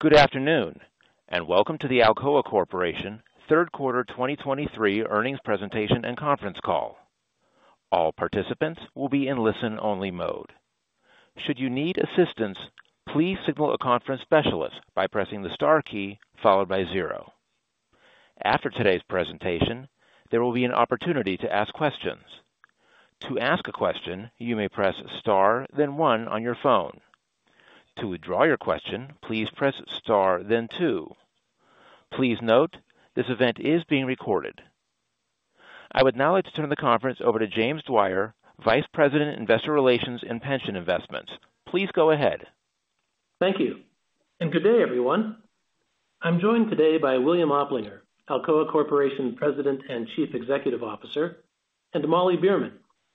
Good afternoon, and welcome to the Alcoa Corporation Third Quarter 2023 Earnings Presentation and Conference Call. All participants will be in listen-only mode. Should you need assistance, please signal a conference specialist by pressing the star key followed by zero. After today's presentation, there will be an opportunity to ask questions. To ask a question, you may press star, then one on your phone. To withdraw your question, please press star, then two. Please note, this event is being recorded. I would now like to turn the conference over to James Dwyer, Vice President, Investor Relations and Pension Investments. Please go ahead. Thank you, and good day, everyone. I'm joined today by William Oplinger, Alcoa Corporation President and Chief Executive Officer, and Molly Beerman,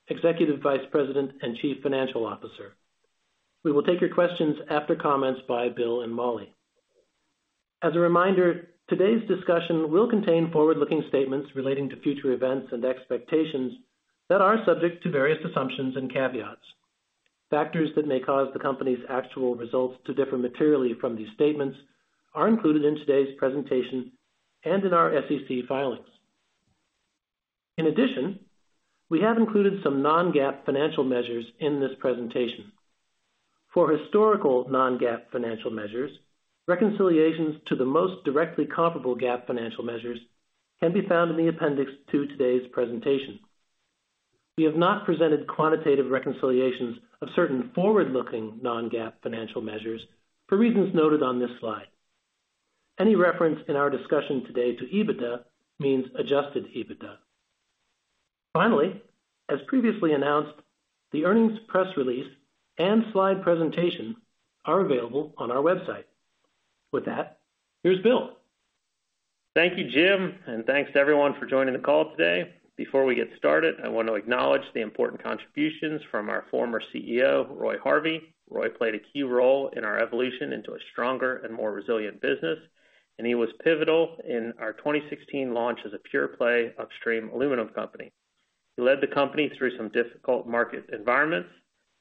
Executive Vice President and Chief Financial Officer. We will take your questions after comments by Bill and Molly. As a reminder, today's discussion will contain forward-looking statements relating to future events and expectations that are subject to various assumptions and caveats. Factors that may cause the company's actual results to differ materially from these statements are included in today's presentation and in our SEC filings. In addition, we have included some non-GAAP financial measures in this presentation. For historical non-GAAP financial measures, reconciliations to the most directly comparable GAAP financial measures can be found in the appendix to today's presentation. We have not presented quantitative reconciliations of certain forward-looking non-GAAP financial measures for reasons noted on this slide. Any reference in our discussion today to EBITDA means adjusted EBITDA. Finally, as previously announced, the earnings press release and slide presentation are available on our website. With that, here's Bill. Thank you, Jim, and thanks to everyone for joining the call today. Before we get started, I want to acknowledge the important contributions from our former CEO, Roy Harvey. Roy played a key role in our evolution into a stronger and more resilient business, and he was pivotal in our 2016 launch as a pure-play upstream aluminum company. He led the company through some difficult market environments,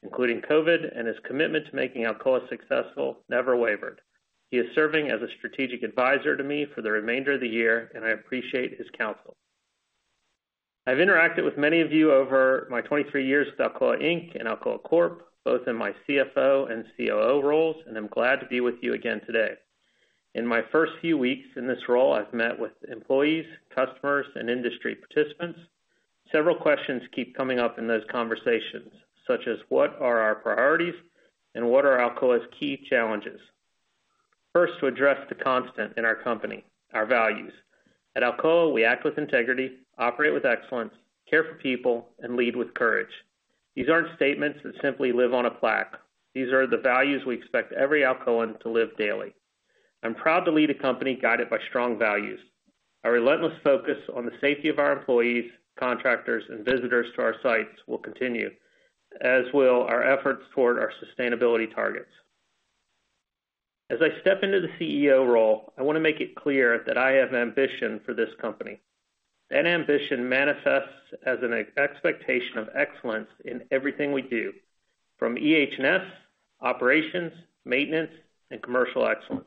including COVID, and his commitment to making Alcoa successful never wavered. He is serving as a strategic advisor to me for the remainder of the year, and I appreciate his counsel. I've interacted with many of you over my 23 years with Alcoa Inc. and Alcoa Corp, both in my CFO and COO roles, and I'm glad to be with you again today. In my first few weeks in this role, I've met with employees, customers, and industry participants. Several questions keep coming up in those conversations, such as: What are our priorities? And what are Alcoa's key challenges? First, to address the constant in our company, our values. At Alcoa, we act with integrity, operate with excellence, care for people, and lead with courage. These aren't statements that simply live on a plaque. These are the values we expect every Alcoan to live daily. I'm proud to lead a company guided by strong values. Our relentless focus on the safety of our employees, contractors, and visitors to our sites will continue, as will our efforts toward our sustainability targets. As I step into the CEO role, I want to make it clear that I have ambition for this company. That ambition manifests as an expectation of excellence in everything we do, from EH&S, operations, maintenance, and commercial excellence.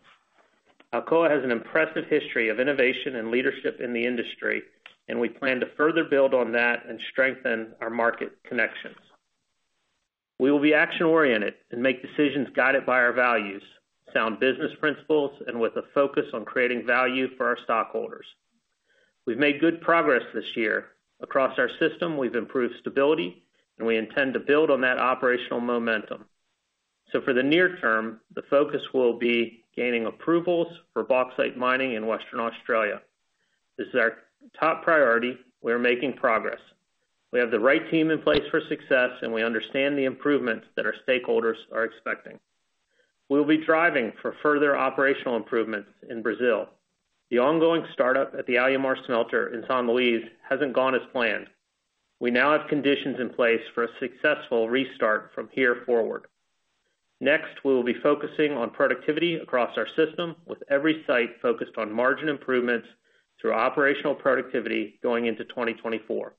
Alcoa has an impressive history of innovation and leadership in the industry, and we plan to further build on that and strengthen our market connections. We will be action-oriented and make decisions guided by our values, sound business principles, and with a focus on creating value for our stockholders. We've made good progress this year. Across our system, we've improved stability, and we intend to build on that operational momentum. So for the near term, the focus will be gaining approvals for bauxite mining in Western Australia. This is our top priority. We are making progress. We have the right team in place for success, and we understand the improvements that our stakeholders are expecting. We'll be driving for further operational improvements in Brazil. The ongoing startup at the Alumar smelter in São Luís hasn't gone as planned. We now have conditions in place for a successful restart from here forward. Next, we will be focusing on productivity across our system, with every site focused on margin improvements through operational productivity going into 2024.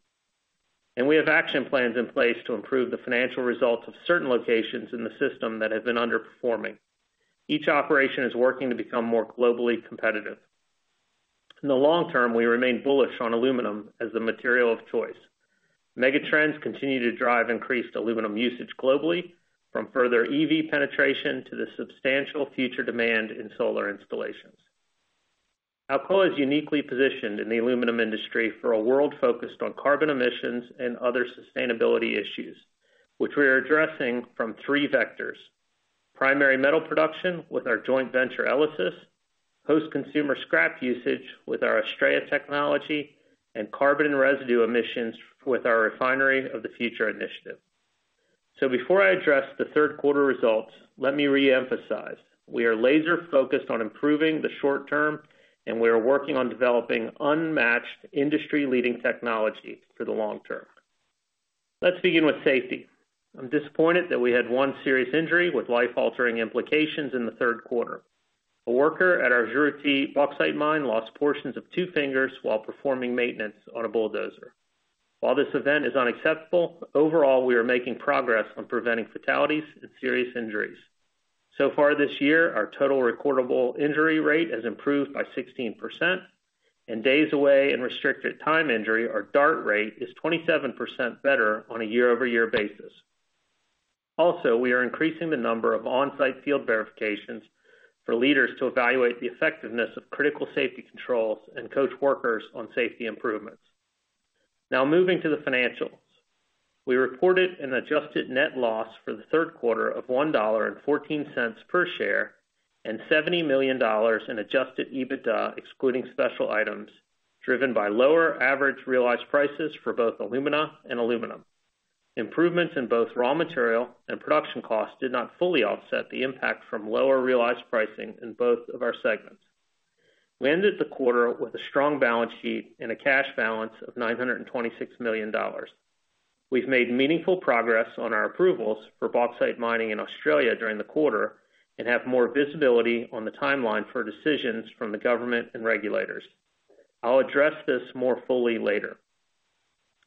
We have action plans in place to improve the financial results of certain locations in the system that have been underperforming. Each operation is working to become more globally competitive. In the long term, we remain bullish on aluminum as the material of choice. Megatrends continue to drive increased aluminum usage globally, from further EV penetration to the substantial future demand in solar installations. Alcoa is uniquely positioned in the aluminum industry for a world focused on carbon emissions and other sustainability issues, which we are addressing from three vectors: primary metal production with our joint venture, ELYSIS, post-consumer scrap usage with our ASTRAEA technology, and carbon and residue emissions with our Refinery of the Future initiative. So before I address the third quarter results, let me reemphasize, we are laser-focused on improving the short term, and we are working on developing unmatched, industry-leading technology for the long term. Let's begin with safety. I'm disappointed that we had one serious injury with life-altering implications in the third quarter. A worker at our Juruti bauxite mine lost portions of two fingers while performing maintenance on a bulldozer. While this event is unacceptable, overall, we are making progress on preventing fatalities and serious injuries. So far this year, our Total Recordable Injury Rate has improved by 16%, and Days Away, Restricted, or DART Rate is 27% better on a year-over-year basis. Also, we are increasing the number of on-site field verifications for leaders to evaluate the effectiveness of critical safety controls and coach workers on safety improvements. Now moving to the financials. We reported an adjusted net loss for the third quarter of $1.14 per share, and $70 million in adjusted EBITDA, excluding special items, driven by lower average realized prices for both alumina and aluminum. Improvements in both raw material and production costs did not fully offset the impact from lower realized pricing in both of our segments. We ended the quarter with a strong balance sheet and a cash balance of $926 million. We've made meaningful progress on our approvals for bauxite mining in Australia during the quarter and have more visibility on the timeline for decisions from the government and regulators. I'll address this more fully later.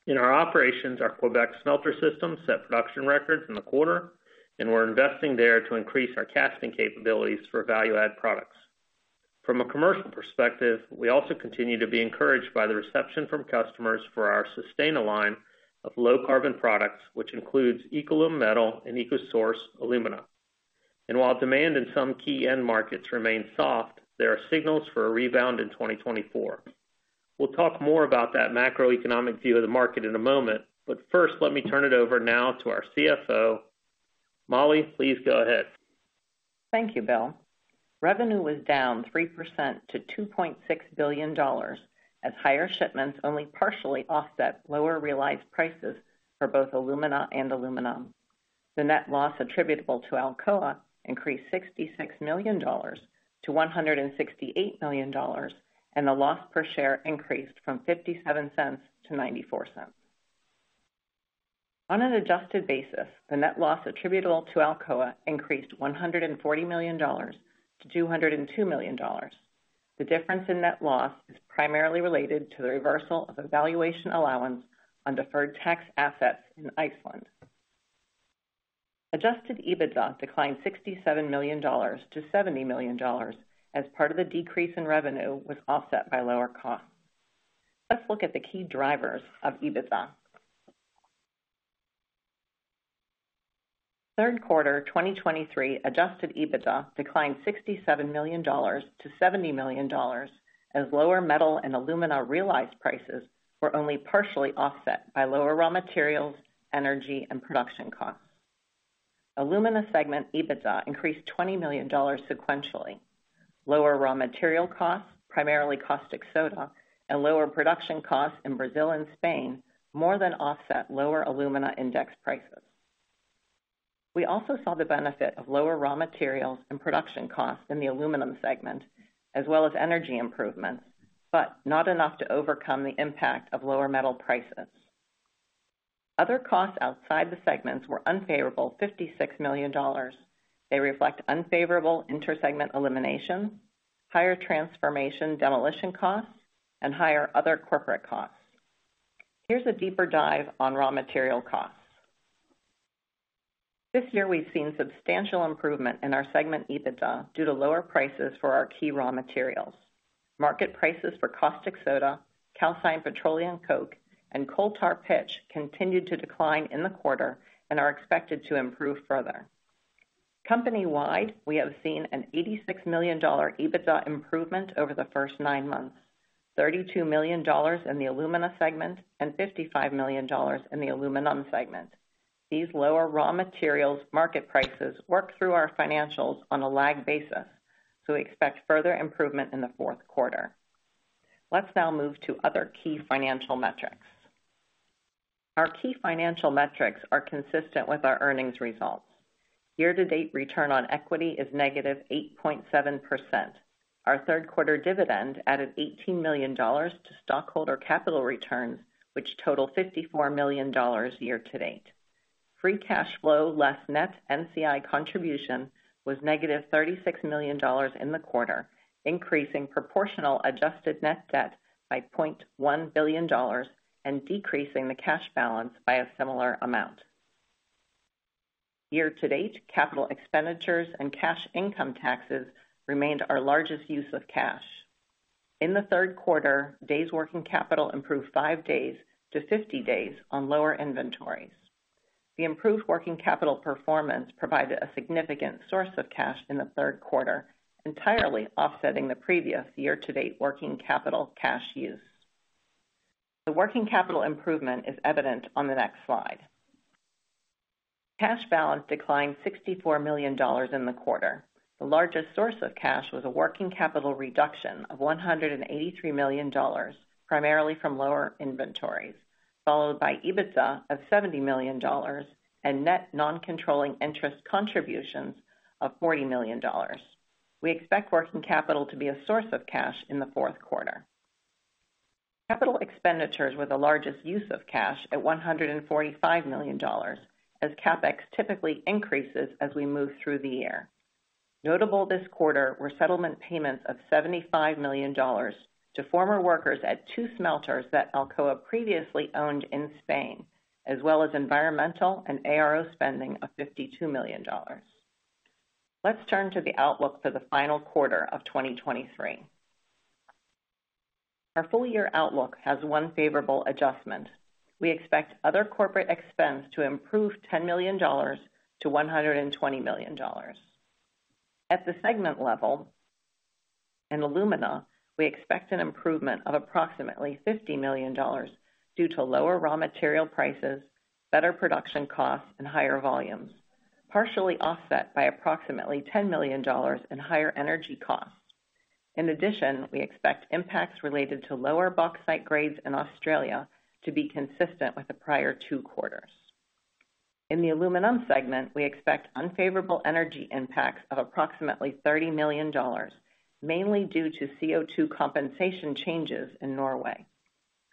In our operations, our Quebec smelter system set production records in the quarter, and we're investing there to increase our casting capabilities for value-add products. From a commercial perspective, we also continue to be encouraged by the reception from customers for our Sustana line of low-carbon products, which includes EcoLum aluminum and EcoSource alumina. And while demand in some key end markets remains soft, there are signals for a rebound in 2024. We'll talk more about that macroeconomic view of the market in a moment, but first, let me turn it over now to our CFO. Molly, please go ahead. Thank you, Bill. Revenue was down 3% to $2.6 billion, as higher shipments only partially offset lower realized prices for both alumina and aluminum. The net loss attributable to Alcoa increased $66 million to $168 million, and the loss per share increased from $0.57 to $0.94. On an adjusted basis, the net loss attributable to Alcoa increased $140 million to $202 million. The difference in net loss is primarily related to the reversal of a valuation allowance on deferred tax assets in Iceland. Adjusted EBITDA declined $67 million to $70 million, as part of the decrease in revenue was offset by lower costs. Let's look at the key drivers of EBITDA. Third quarter 2023 Adjusted EBITDA declined $67 million to $70 million, as lower metal and alumina realized prices were only partially offset by lower raw materials, energy, and production costs. Alumina segment EBITDA increased $20 million sequentially. Lower raw material costs, primarily caustic soda, and lower production costs in Brazil and Spain, more than offset lower alumina index prices. We also saw the benefit of lower raw materials and production costs in the aluminum segment, as well as energy improvements, but not enough to overcome the impact of lower metal prices. Other costs outside the segments were unfavorable $56 million. They reflect unfavorable intersegment elimination, higher transformation, demolition costs, and higher other corporate costs. Here's a deeper dive on raw material costs. This year, we've seen substantial improvement in our segment EBITDA due to lower prices for our key raw materials. Market prices for caustic soda, calcined petroleum coke, and coal tar pitch continued to decline in the quarter and are expected to improve further. Company-wide, we have seen an $86 million EBITDA improvement over the first nine months, $32 million in the alumina segment and $55 million in the aluminum segment. These lower raw materials market prices work through our financials on a lag basis, so we expect further improvement in the fourth quarter. Let's now move to other key financial metrics. Our key financial metrics are consistent with our earnings results. Year-to-date return on equity is -8.7%. Our third quarter dividend added $18 million to stockholder capital returns, which total $54 million year-to-date. Free cash flow, less net NCI contribution, was negative $36 million in the quarter, increasing proportional adjusted net debt by $0.1 billion and decreasing the cash balance by a similar amount. Year-to-date, capital expenditures and cash income taxes remained our largest use of cash. In the third quarter, days working capital improved five days to 50 days on lower inventories. The improved working capital performance provided a significant source of cash in the third quarter, entirely offsetting the previous year-to-date working capital cash use. The working capital improvement is evident on the next slide. Cash balance declined $64 million in the quarter. The largest source of cash was a working capital reduction of $183 million, primarily from lower inventories, followed by EBITDA of $70 million and net non-controlling interest contributions of $40 million. We expect working capital to be a source of cash in the fourth quarter. Capital expenditures were the largest use of cash at $145 million, as CapEx typically increases as we move through the year. Notable this quarter were settlement payments of $75 million to former workers at two smelters that Alcoa previously owned in Spain, as well as environmental and ARO spending of $52 million. Let's turn to the outlook for the final quarter of 2023. Our full-year outlook has one favorable adjustment. We expect other corporate expense to improve $10 million to $120 million. At the segment level, in alumina, we expect an improvement of approximately $50 million due to lower raw material prices, better production costs, and higher volumes, partially offset by approximately $10 million in higher energy costs. In addition, we expect impacts related to lower bauxite grades in Australia to be consistent with the prior two quarters. In the aluminum segment, we expect unfavorable energy impacts of approximately $30 million, mainly due to CO₂ Compensation changes in Norway.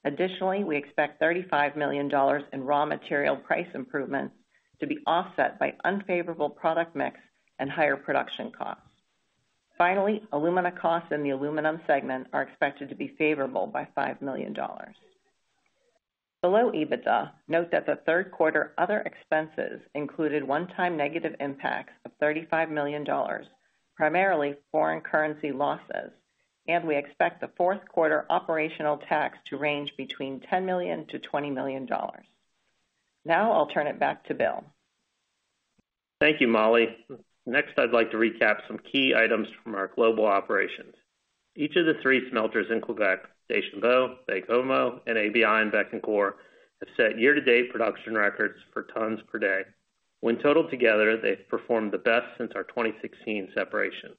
Additionally, we expect $35 million in raw material price improvements to be offset by unfavorable product mix and higher production costs. Finally, alumina costs in the aluminum segment are expected to be favorable by $5 million. Below EBITDA, note that the third quarter other expenses included one-time negative impacts of $35 million, primarily foreign currency losses, and we expect the fourth quarter operational tax to range between $10 million-$20 million. Now, I'll turn it back to Bill. Thank you, Molly. Next, I'd like to recap some key items from our global operations. Each of the three smelters in Quebec, Station Beau, Baie-Comeau, and ABI in Bécancour, have set year-to-date production records for tons per day. When totaled together, they've performed the best since our 2016 separation.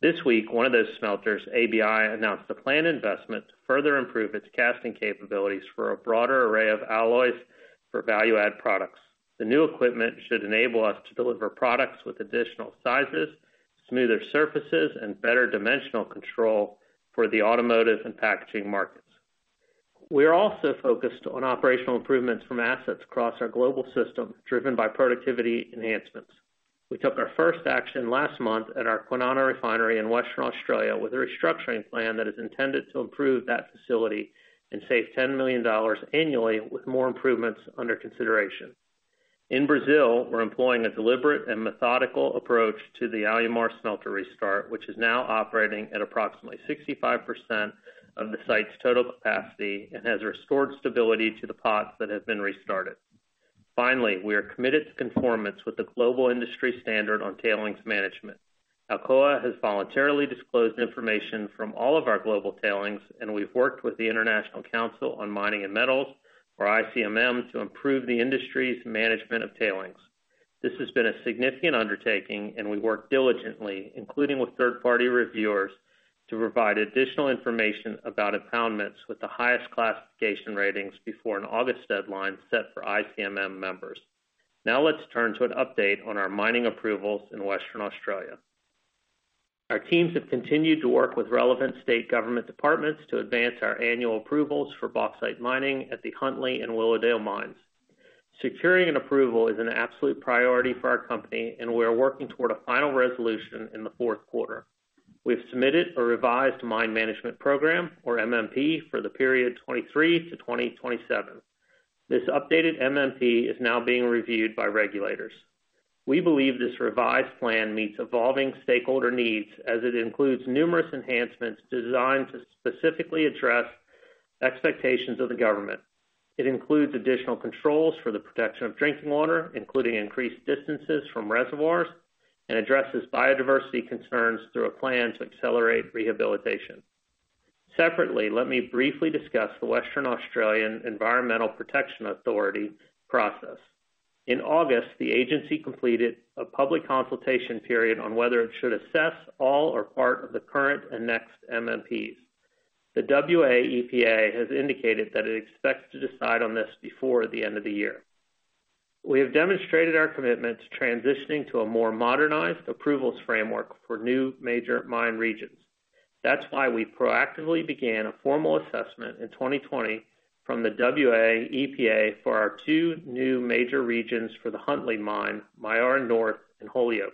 This week, one of those smelters, ABI, announced a planned investment to further improve its casting capabilities for a broader array of alloys for value-add products. The new equipment should enable us to deliver products with additional sizes, smoother surfaces, and better dimensional control for the automotive and packaging markets. We are also focused on operational improvements from assets across our global system, driven by productivity enhancements. We took our first action last month at our Kwinana Refinery in Western Australia, with a restructuring plan that is intended to improve that facility and save $10 million annually, with more improvements under consideration. In Brazil, we're employing a deliberate and methodical approach to the Alumar Smelter restart, which is now operating at approximately 65% of the site's total capacity and has restored stability to the pots that have been restarted. Finally, we are committed to conformance with the global industry standard on tailings management. Alcoa has voluntarily disclosed information from all of our global tailings, and we've worked with the International Council on Mining and Metals, or ICMM, to improve the industry's management of tailings. This has been a significant undertaking, and we worked diligently, including with third-party reviewers, to provide additional information about impoundments with the highest classification ratings before an August deadline set for ICMM members. Now, let's turn to an update on our mining approvals in Western Australia. Our teams have continued to work with relevant state government departments to advance our annual approvals for bauxite mining at the Huntly and Willowdale mines. Securing an approval is an absolute priority for our company, and we are working toward a final resolution in the fourth quarter. We've submitted a revised Mine Management Program, or MMP, for the period 2023 to 2027. This updated MMP is now being reviewed by regulators. We believe this revised plan meets evolving stakeholder needs as it includes numerous enhancements designed to specifically address expectations of the government. It includes additional controls for the protection of drinking water, including increased distances from reservoirs, and addresses biodiversity concerns through a plan to accelerate rehabilitation. Separately, let me briefly discuss the Western Australian Environmental Protection Authority's process. In August, the agency completed a public consultation period on whether it should assess all or part of the current and next MMPs. The WA EPA has indicated that it expects to decide on this before the end of the year. We have demonstrated our commitment to transitioning to a more modernized approvals framework for new major mine regions. That's why we proactively began a formal assessment in 2020 from the WA EPA for our two new major regions for the Huntly Mine, Myara North and Holyoake.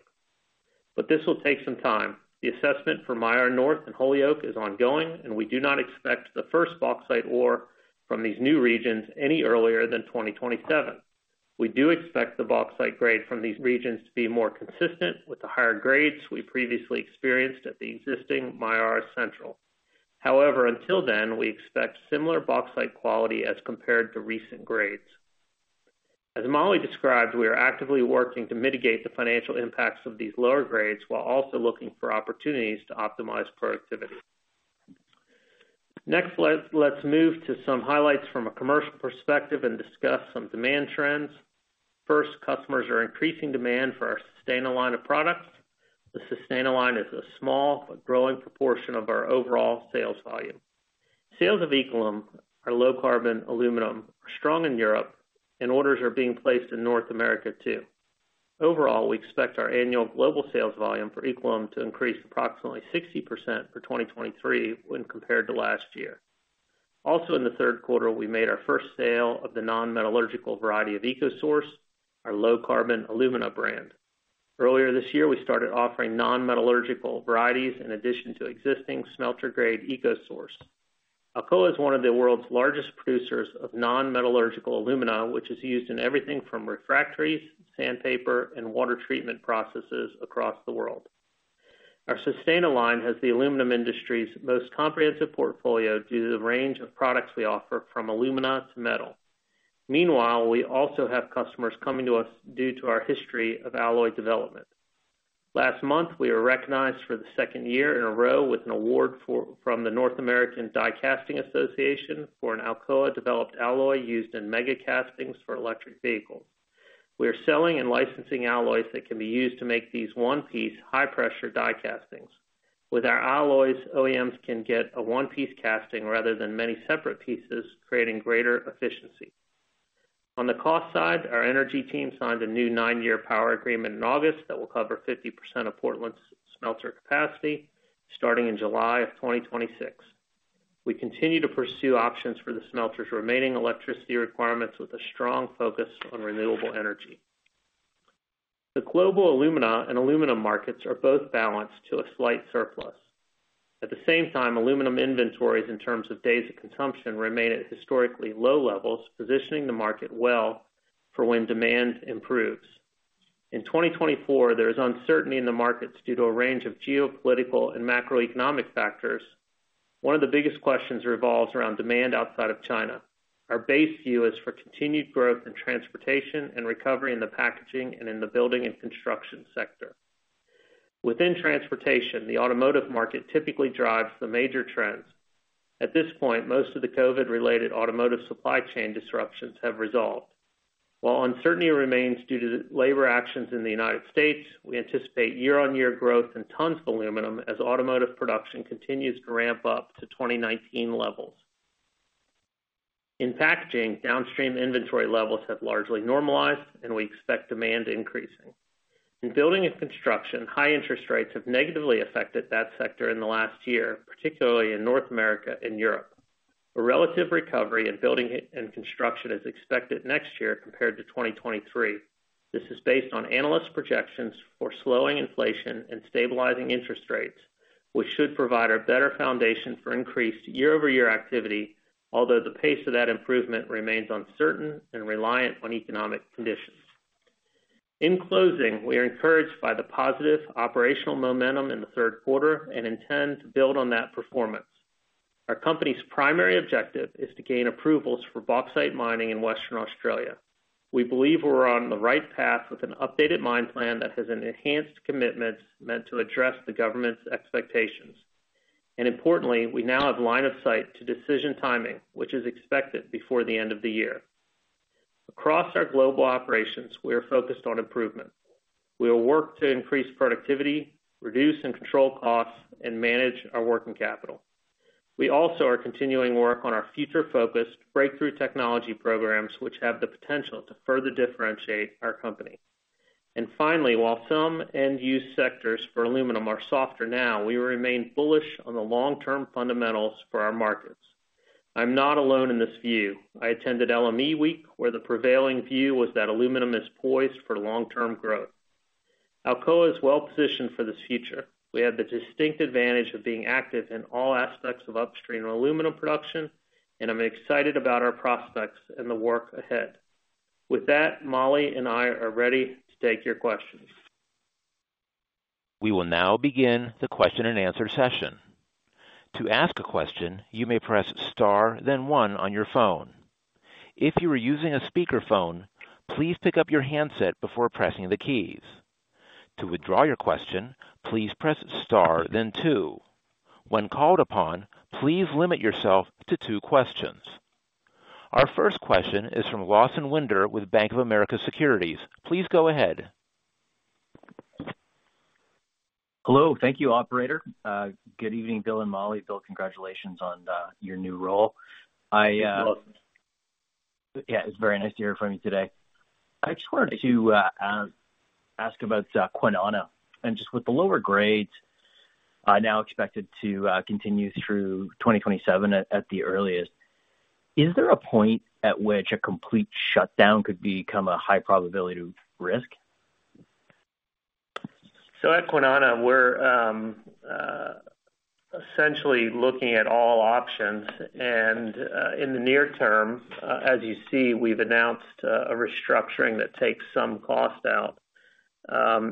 But this will take some time. The assessment for Myara North and Holyoake is ongoing, and we do not expect the first bauxite ore from these new regions any earlier than 2027. We do expect the bauxite grade from these regions to be more consistent with the higher grades we previously experienced at the existing Myara Central. However, until then, we expect similar bauxite quality as compared to recent grades. As Molly described, we are actively working to mitigate the financial impacts of these lower grades while also looking for opportunities to optimize productivity. Next, let's move to some highlights from a commercial perspective and discuss some demand trends. First, customers are increasing demand for our Sustana line of products. The Sustana line is a small but growing proportion of our overall sales volume. Sales of EcoLum, our low-carbon aluminum, are strong in Europe, and orders are being placed in North America, too. Overall, we expect our annual global sales volume for EcoLum to increase approximately 60% for 2023 when compared to last year. Also in the third quarter, we made our first sale of the non-metallurgical variety of EcoSource, our low-carbon alumina brand. Earlier this year, we started offering non-metallurgical varieties in addition to existing smelter-grade EcoSource. Alcoa is one of the world's largest producers of non-metallurgical alumina, which is used in everything from refractories, sandpaper, and water treatment processes across the world. Our Sustana line has the aluminum industry's most comprehensive portfolio due to the range of products we offer from alumina to metal. Meanwhile, we also have customers coming to us due to our history of alloy development. Last month, we were recognized for the second year in a row with an award from the North American Die Casting Association for an Alcoa-developed alloy used in Mega Castings for electric vehicles. We are selling and licensing alloys that can be used to make these one-piece, high-pressure die castings. With our alloys, OEMs can get a one-piece casting rather than many separate pieces, creating greater efficiency. On the cost side, our energy team signed a new nine-year power agreement in August that will cover 50% of Portland's smelter capacity, starting in July 2026. We continue to pursue options for the smelter's remaining electricity requirements with a strong focus on renewable energy. The global alumina and aluminum markets are both balanced to a slight surplus. At the same time, aluminum inventories in terms of days of consumption remain at historically low levels, positioning the market well for when demand improves. In 2024, there is uncertainty in the markets due to a range of geopolitical and macroeconomic factors. One of the biggest questions revolves around demand outside of China. Our base view is for continued growth in transportation and recovery in the packaging and in the building and construction sector. Within transportation, the automotive market typically drives the major trends. At this point, most of the COVID-related automotive supply chain disruptions have resolved. While uncertainty remains due to the labor actions in the United States, we anticipate year-on-year growth in tons of aluminum as automotive production continues to ramp up to 2019 levels. In packaging, downstream inventory levels have largely normalized, and we expect demand increasing. In building and construction, high interest rates have negatively affected that sector in the last year, particularly in North America and Europe. A relative recovery in building and construction is expected next year compared to 2023. This is based on analyst projections for slowing inflation and stabilizing interest rates, which should provide a better foundation for increased year-over-year activity, although the pace of that improvement remains uncertain and reliant on economic conditions. In closing, we are encouraged by the positive operational momentum in the third quarter and intend to build on that performance. Our company's primary objective is to gain approvals for bauxite mining in Western Australia. We believe we're on the right path with an updated mine plan that has an enhanced commitment meant to address the government's expectations. Importantly, we now have line of sight to decision timing, which is expected before the end of the year. Across our global operations, we are focused on improvement. We will work to increase productivity, reduce and control costs, and manage our working capital. We also are continuing work on our future-focused breakthrough technology programs, which have the potential to further differentiate our company. Finally, while some end-use sectors for aluminum are softer now, we remain bullish on the long-term fundamentals for our markets. I'm not alone in this view. I attended LME Week, where the prevailing view was that aluminum is poised for long-term growth. Alcoa is well positioned for this future. We have the distinct advantage of being active in all aspects of upstream aluminum production, and I'm excited about our prospects and the work ahead. With that, Molly and I are ready to take your questions. We will now begin the question-and-answer session. To ask a question, you may press star, then one on your phone. If you are using a speakerphone, please pick up your handset before pressing the keys. To withdraw your question, please press star then two. When called upon, please limit yourself to two questions. Our first question is from Lawson Winder with Bank of America Securities. Please go ahead. Hello. Thank you, operator. Good evening, Bill and Molly. Bill, congratulations on your new role. Thank you. Yeah, it's very nice to hear from you today. I just wanted to ask about Kwinana. And just with the lower grades now expected to continue through 2027 at the earliest, is there a point at which a complete shutdown could become a high probability risk? So at Kwinana, we're essentially looking at all options, and in the near term, as you see, we've announced a restructuring that takes some cost out.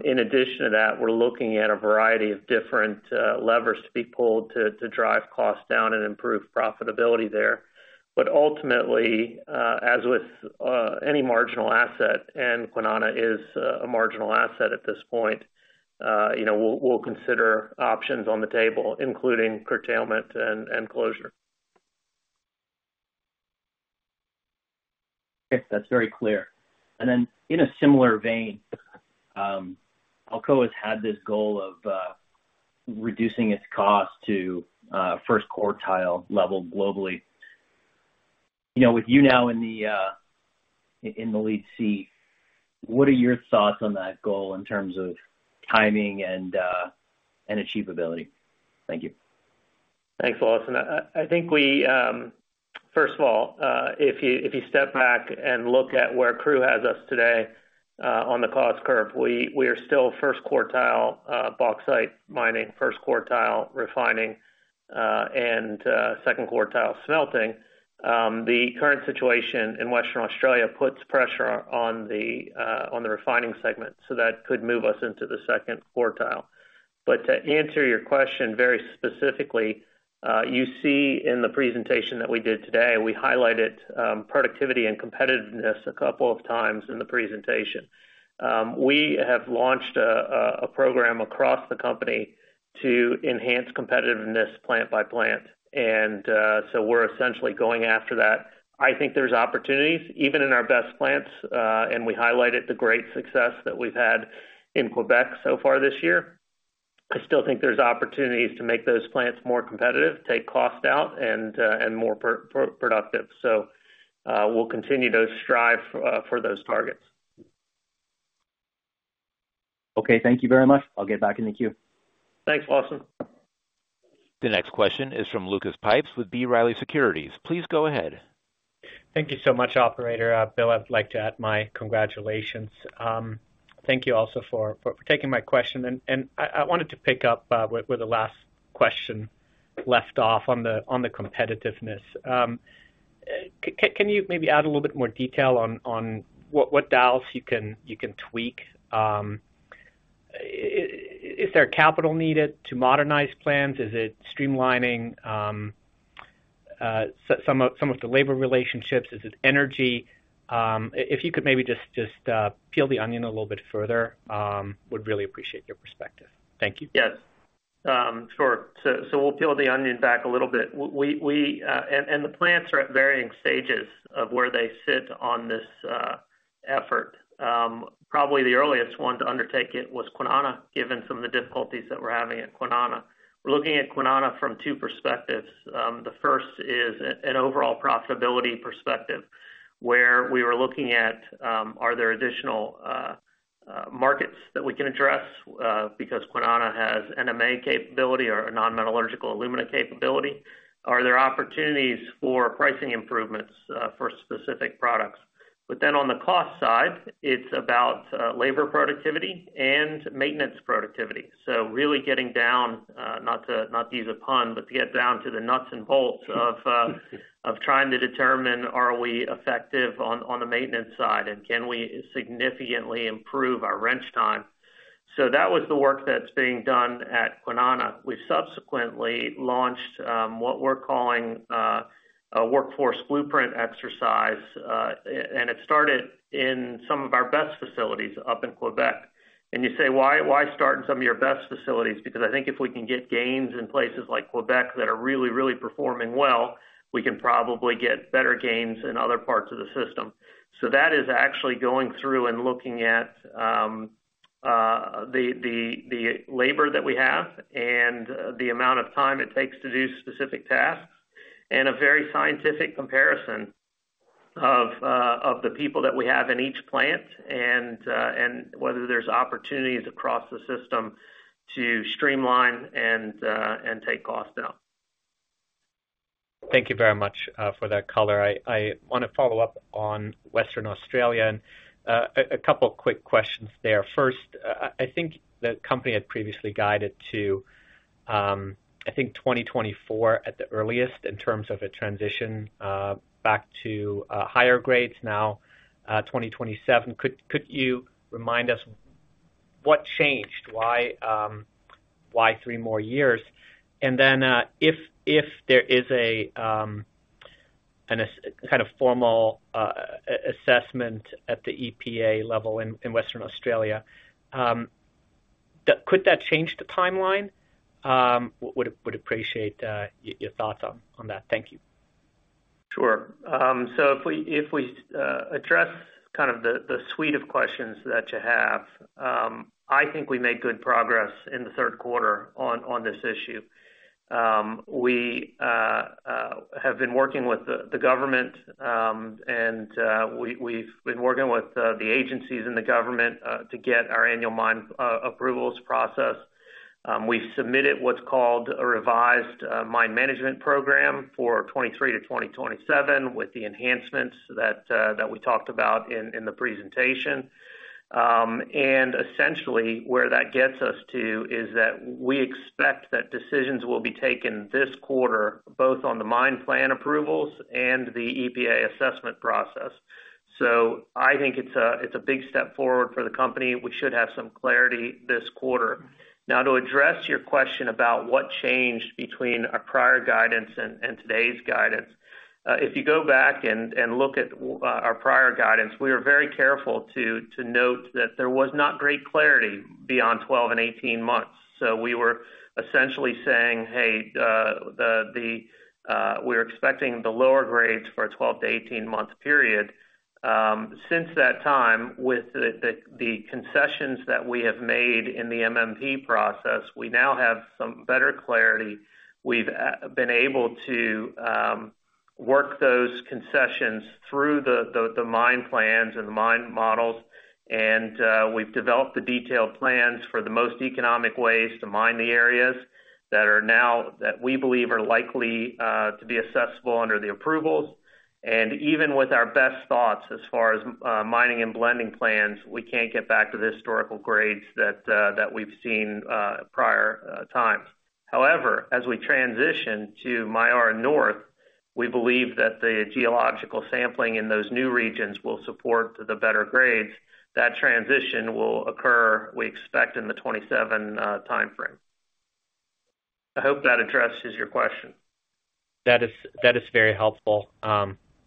In addition to that, we're looking at a variety of different levers to be pulled to drive costs down and improve profitability there. But ultimately, as with any marginal asset, and Kwinana is a marginal asset at this point, you know, we'll consider options on the table, including curtailment and closure. Okay. That's very clear. And then in a similar vein, Alcoa has had this goal of reducing its cost to first quartile level globally.... You know, with you now in the lead seat, what are your thoughts on that goal in terms of timing and achievability? Thank you. Thanks, Austin. I think we first of all if you step back and look at where Alcoa has us today on the cost curve, we are still first quartile bauxite mining, first quartile refining and second quartile smelting. The current situation in Western Australia puts pressure on the refining segment, so that could move us into the second quartile. But to answer your question very specifically, you see in the presentation that we did today, we highlighted productivity and competitiveness a couple of times in the presentation. We have launched a program across the company to enhance competitiveness plant by plant, and so we're essentially going after that. I think there's opportunities even in our best plants, and we highlighted the great success that we've had in Quebec so far this year. I still think there's opportunities to make those plants more competitive, take cost out, and more productive. So, we'll continue to strive for those targets. Okay, thank you very much. I'll get back in the queue. Thanks, Lawson. The next question is from Lucas Pipes with B. Riley Securities. Please go ahead. Thank you so much, operator. Bill, I'd like to add my congratulations. Thank you also for taking my question, and I wanted to pick up where the last question left off on the competitiveness. Can you maybe add a little bit more detail on what dials you can tweak? Is there capital needed to modernize plans? Is it streamlining some of the labor relationships? Is it energy? If you could maybe just peel the onion a little bit further, would really appreciate your perspective. Thank you. Yes, sure. So, we'll peel the onion back a little bit. We and the plants are at varying stages of where they sit on this effort. Probably the earliest one to undertake it was Kwinana, given some of the difficulties that we're having at Kwinana. We're looking at Kwinana from two perspectives. The first is an overall profitability perspective, where we were looking at, are there additional markets that we can address, because Kwinana has NMA capability or a non-metallurgical alumina capability? Are there opportunities for pricing improvements for specific products? But then on the cost side, it's about labor productivity and maintenance productivity. So really getting down, not to use a pun, but to get down to the nuts and bolts of trying to determine, are we effective on the maintenance side, and can we significantly improve our wrench time? So that was the work that's being done at Kwinana. We've subsequently launched what we're calling a workforce blueprint exercise, and it started in some of our best facilities up in Quebec. And you say, "Why start in some of your best facilities?" Because I think if we can get gains in places like Quebec that are really performing well, we can probably get better gains in other parts of the system. So that is actually going through and looking at the labor that we have and the amount of time it takes to do specific tasks, and a very scientific comparison of the people that we have in each plant, and whether there's opportunities across the system to streamline and take costs down. Thank you very much for that color. I wanna follow up on Western Australia, and a couple quick questions there. First, I think the company had previously guided to, I think 2024 at the earliest in terms of a transition back to higher grades, now 2027. Could you remind us what changed? Why three more years? And then, if there is a kind of formal assessment at the EPA level in Western Australia, could that change the timeline? Would appreciate your thoughts on that. Thank you. Sure. So if we address kind of the suite of questions that you have, I think we made good progress in the third quarter on this issue. We have been working with the government and we've been working with the agencies and the government to get our annual mine approvals processed. We've submitted what's called a revised Mine Management Program for 2023 to 2027, with the enhancements that we talked about in the presentation. And essentially, where that gets us to, is that we expect that decisions will be taken this quarter, both on the mine plan approvals and the EPA assessment process. So I think it's a big step forward for the company. We should have some clarity this quarter. Now, to address your question about what changed between our prior guidance and today's guidance, if you go back and look at our prior guidance, we were very careful to note that there was not great clarity beyond 12 and 18 months. So we were essentially saying, "Hey, we're expecting the lower grades for a 12-18 month period." Since that time, with the concessions that we have made in the MMP process, we now have some better clarity. We've been able to work those concessions through the mine plans and the mine models, and we've developed the detailed plans for the most economic ways to mine the areas that we believe are likely to be accessible under the approvals. Even with our best thoughts, as far as, mining and blending plans, we can't get back to the historical grades that, that we've seen, prior, times. However, as we transition to Myara North, we believe that the geological sampling in those new regions will support the better grades. That transition will occur, we expect, in the 2027 timeframe. I hope that addresses your question. That is very helpful.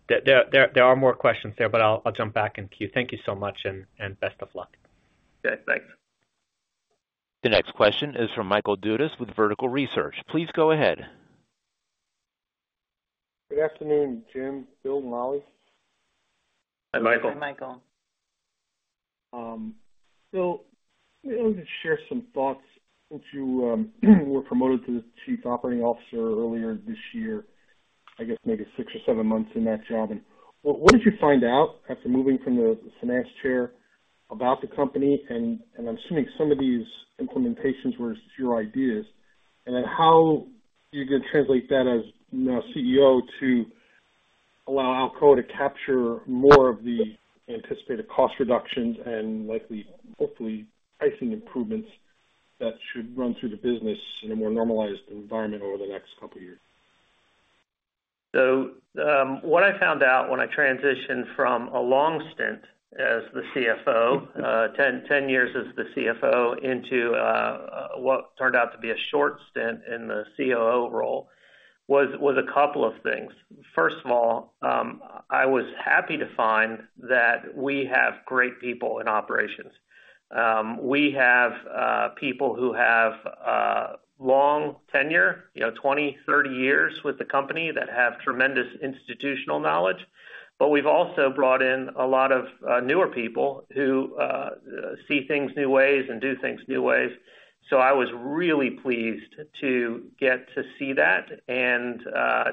There are more questions there, but I'll jump back in queue. Thank you so much, and best of luck. Okay, thanks. The next question is from Michael Dudas with Vertical Research. Please go ahead. Good afternoon, Jim, Bill, and Molly. Hi, Michael. Hi, Michael. So let me just share some thoughts. Since you were promoted to the Chief Operating Officer earlier this year, I guess maybe six or seven months in that job, and what did you find out after moving from the finance chair about the company? And I'm assuming some of these implementations were your ideas. And then how are you gonna translate that as now CEO to allow Alcoa to capture more of the anticipated cost reductions and likely, hopefully, pricing improvements that should run through the business in a more normalized environment over the next couple of years? So, what I found out when I transitioned from a long stint as the CFO, 10 years as the CFO, into what turned out to be a short stint in the COO role, was a couple of things. First of all, I was happy to find that we have great people in operations. We have people who have long tenure, you know, 20, 30 years with the company that have tremendous institutional knowledge, but we've also brought in a lot of newer people who see things new ways and do things new ways. So I was really pleased to get to see that, and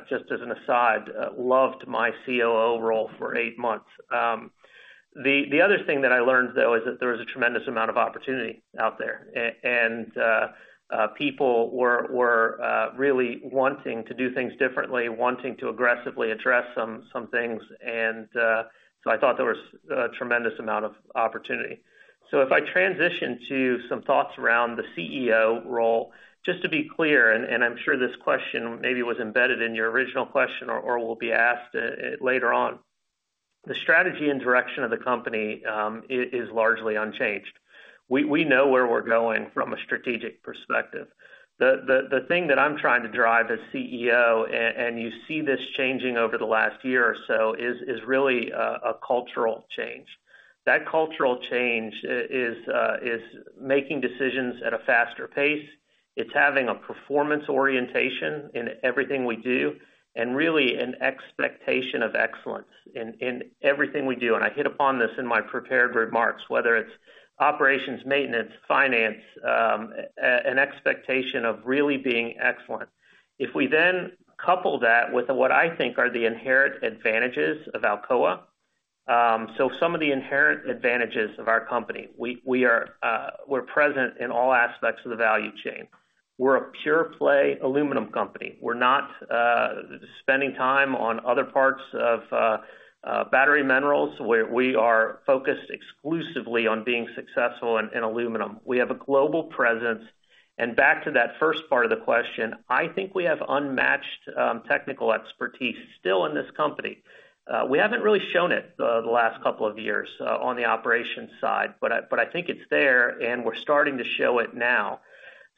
just as an aside, loved my COO role for eight months. The other thing that I learned, though, is that there was a tremendous amount of opportunity out there. And people were really wanting to do things differently, wanting to aggressively address some things, so I thought there was a tremendous amount of opportunity. So if I transition to some thoughts around the CEO role, just to be clear, and I'm sure this question maybe was embedded in your original question or will be asked later on. The strategy and direction of the company is largely unchanged. We know where we're going from a strategic perspective. The thing that I'm trying to drive as CEO, and you see this changing over the last year or so, is really a cultural change. That cultural change is making decisions at a faster pace. It's having a performance orientation in everything we do, and really an expectation of excellence in everything we do. And I hit upon this in my prepared remarks, whether it's operations, maintenance, finance, an expectation of really being excellent. If we then couple that with what I think are the inherent advantages of Alcoa, so some of the inherent advantages of our company, we are, we're present in all aspects of the value chain. We're a pure play aluminum company. We're not spending time on other parts of battery minerals, where we are focused exclusively on being successful in aluminum. We have a global presence, and back to that first part of the question, I think we have unmatched technical expertise still in this company. We haven't really shown it the last couple of years on the operations side, but I think it's there, and we're starting to show it now.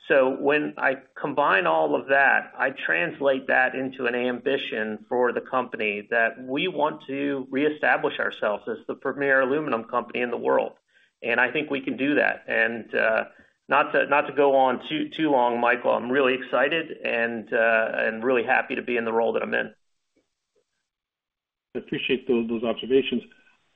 So when I combine all of that, I translate that into an ambition for the company, that we want to reestablish ourselves as the premier aluminum company in the world. I think we can do that. Not to go on too long, Michael, I'm really excited and really happy to be in the role that I'm in. I appreciate those, those observations.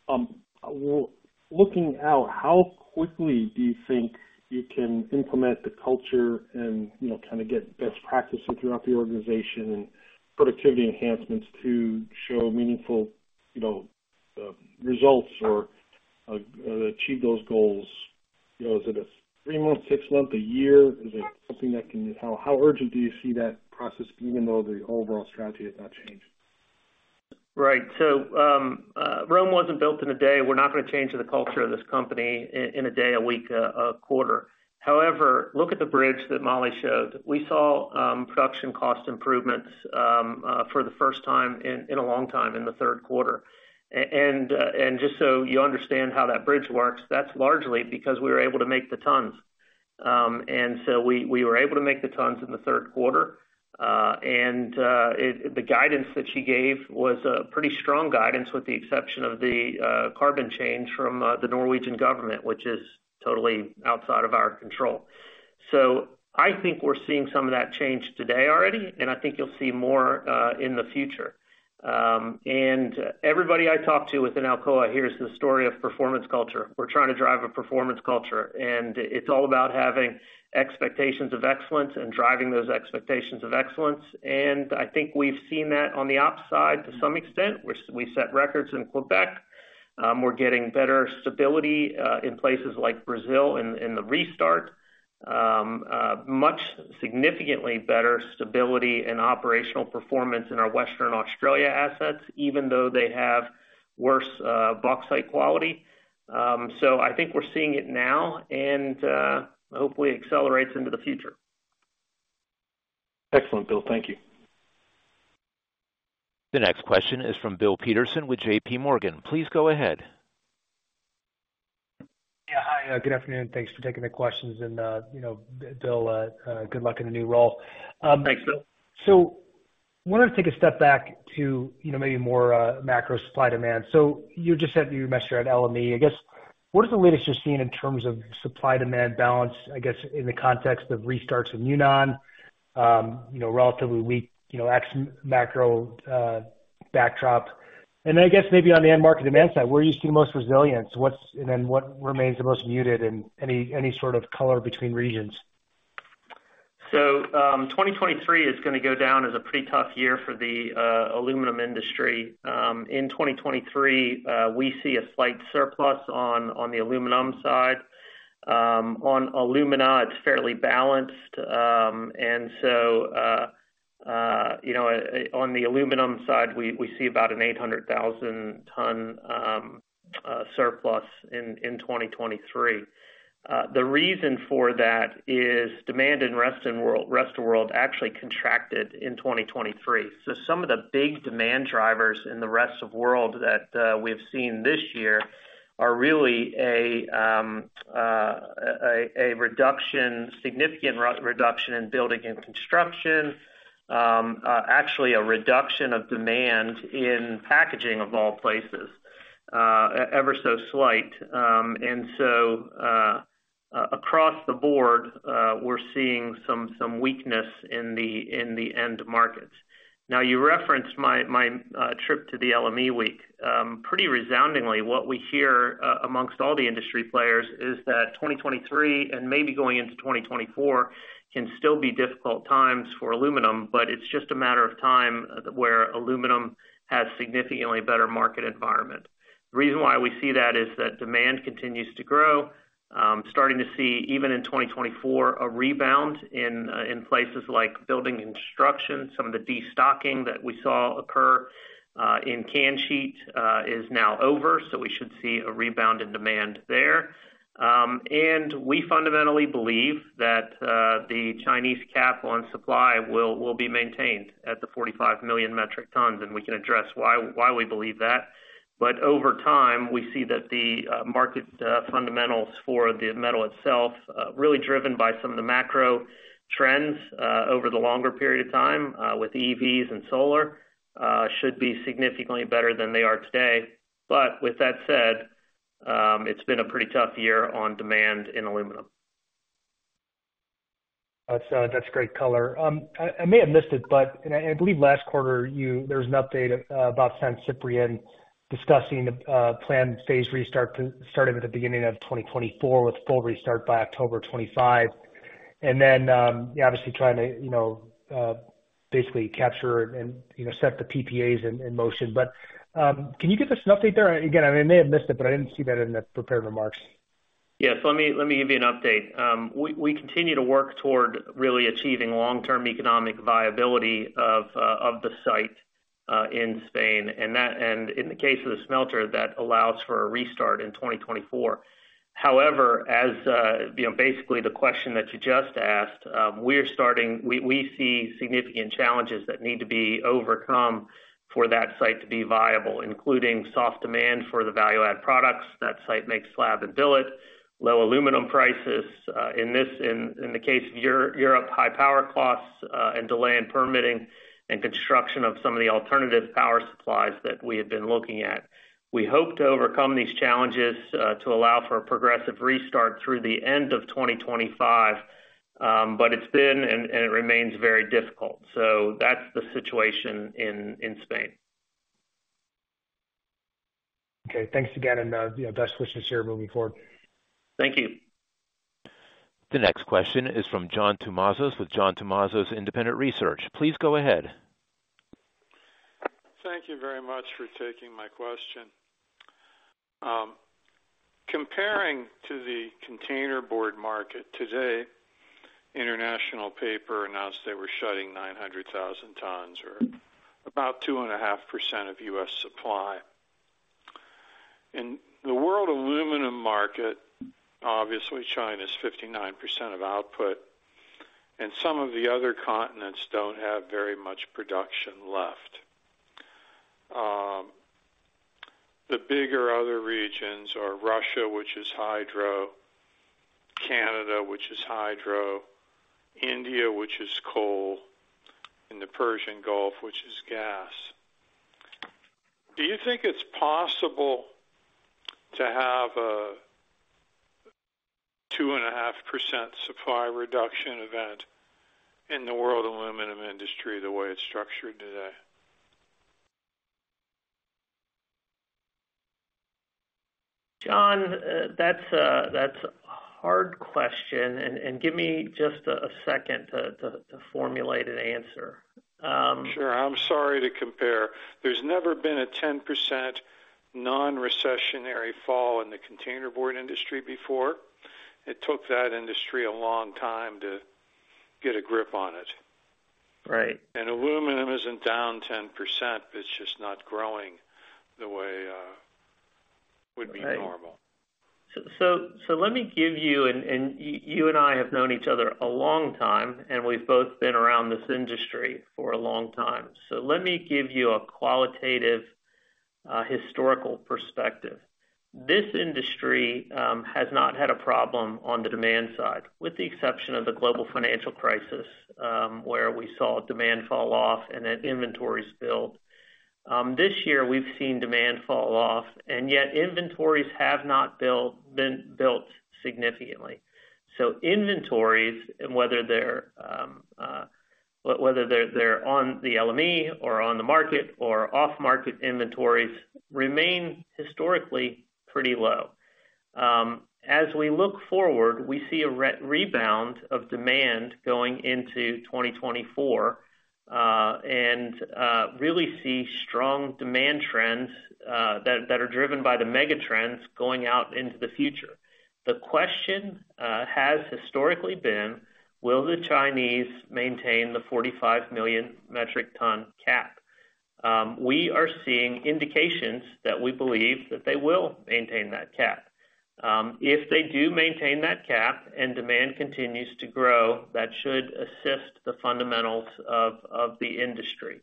Well, looking out, how quickly do you think you can implement the culture and, you know, kind of get best practices throughout the organization and productivity enhancements to show meaningful, you know, results or achieve those goals? You know, is it a 3-month, 6-month, a year? Is it something that can... How, how urgent do you see that process, even though the overall strategy has not changed? Right. So, Rome wasn't built in a day. We're not gonna change the culture of this company in a day, a week, a quarter. However, look at the bridge that Molly showed. We saw production cost improvements for the first time in a long time, in the third quarter. And just so you understand how that bridge works, that's largely because we were able to make the tons. And so we were able to make the tons in the third quarter, and the guidance that she gave was a pretty strong guidance, with the exception of the carbon change from the Norwegian government, which is totally outside of our control. So I think we're seeing some of that change today already, and I think you'll see more in the future. Everybody I talk to within Alcoa hears the story of performance culture. We're trying to drive a performance culture, and it's all about having expectations of excellence and driving those expectations of excellence. I think we've seen that on the ops side to some extent, which we set records in Quebec. We're getting better stability in places like Brazil in the restart. Much significantly better stability and operational performance in our Western Australia assets, even though they have worse bauxite quality. So I think we're seeing it now, and hopefully accelerates into the future. Excellent, Bill. Thank you. The next question is from Bill Peterson with JPMorgan. Please go ahead. Yeah. Hi, good afternoon. Thanks for taking the questions. You know, Bill, good luck in the new role. Thanks, Bill. So wanted to take a step back to, you know, maybe more macro supply demand. So you just said you were mentioned at LME. I guess, what is the latest you're seeing in terms of supply-demand balance, I guess, in the context of restarts in Yunnan, you know, relatively weak, you know, macro backdrop? And then I guess maybe on the end market demand side, where do you see the most resilience? What and then what remains the most muted and any sort of color between regions? So, 2023 is gonna go down as a pretty tough year for the aluminum industry. In 2023, we see a slight surplus on the aluminum side. On alumina, it's fairly balanced. And so, you know, on the aluminum side, we see about an 800,000-ton surplus in 2023. The reason for that is demand in rest of world actually contracted in 2023. Some of the big demand drivers in the rest of world that we've seen this year are really a significant reduction in building and construction. Actually a reduction of demand in packaging of all places, ever so slight. And so, across the board, we're seeing some weakness in the end markets. Now, you referenced my trip to the LME Week. Pretty resoundingly, what we hear among all the industry players is that 2023, and maybe going into 2024, can still be difficult times for aluminum, but it's just a matter of time where aluminum has significantly better market environment. The reason why we see that is that demand continues to grow. Starting to see, even in 2024, a rebound in places like building and construction. Some of the destocking that we saw occur in canned sheet is now over, so we should see a rebound in demand there. And we fundamentally believe that the Chinese cap on supply will be maintained at 45 million metric tons, and we can address why we believe that. But over time, we see that the market fundamentals for the metal itself really driven by some of the macro trends over the longer period of time with EVs and solar should be significantly better than they are today. But with that said, it's been a pretty tough year on demand in aluminum. That's, that's great color. I may have missed it, but and I believe last quarter, you there was an update about San Ciprián discussing the, planned phase restart to starting at the beginning of 2024, with full restart by October 2025. And then, you're obviously trying to, you know, basically capture and, you know, set the PPAs in, in motion. But, can you give us an update there? Again, I may have missed it, but I didn't see that in the prepared remarks. Yeah. So let me give you an update. We continue to work toward really achieving long-term economic viability of the site in Spain. And that... And in the case of the smelter, that allows for a restart in 2024. However, as you know, basically the question that you just asked, we see significant challenges that need to be overcome for that site to be viable, including soft demand for the value-add products. That site makes slab and billet, low aluminum prices, in the case of Europe, high power costs, and delay in permitting and construction of some of the alternative power supplies that we had been looking at. We hope to overcome these challenges to allow for a progressive restart through the end of 2025, but it's been and it remains very difficult. So that's the situation in Spain. Okay. Thanks again, and, you know, best wishes to you moving forward. Thank you. The next question is from John Tumazos, with John Tumazos Independent Research. Please go ahead. Thank you very much for taking my question. Comparing to the container board market, today, International Paper announced they were shutting 900,000 tons, or about 2.5% of U.S. supply. In the world aluminum market, obviously, China is 59% of output, and some of the other continents don't have very much production left. The bigger other regions are Russia, which is hydro; Canada, which is hydro; India, which is coal; and the Persian Gulf, which is gas. Do you think it's possible to have a 2.5% supply reduction event in the world aluminum industry, the way it's structured today? John, that's a hard question, and give me just a second to formulate an answer. Sure. I'm sorry to compare. There's never been a 10% non-recessionary fall in the container board industry before. It took that industry a long time to get a grip on it. Right. Aluminum isn't down 10%, it's just not growing the way would be normal. So let me give you, and you and I have known each other a long time, and we've both been around this industry for a long time. So let me give you a qualitative historical perspective. This industry has not had a problem on the demand side, with the exception of the global financial crisis, where we saw demand fall off and then inventories build. This year, we've seen demand fall off, and yet inventories have not been built significantly. So inventories, and whether they're on the LME or on the market or off market, inventories remain historically pretty low. As we look forward, we see a rebound of demand going into 2024, and really see strong demand trends that are driven by the mega trends going out into the future. The question has historically been: Will the Chinese maintain the 45 million metric ton cap? We are seeing indications that we believe that they will maintain that cap. If they do maintain that cap and demand continues to grow, that should assist the fundamentals of the industry.